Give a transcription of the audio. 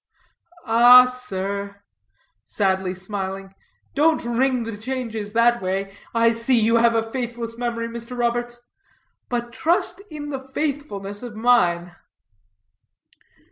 "Ah sir," sadly smiling, "don't ring the changes that way. I see you have a faithless memory, Mr. Roberts. But trust in the faithfulness of mine."